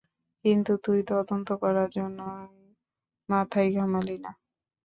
কিন্তু তুই তদন্ত করার জন্য মাথাই ঘামালি না।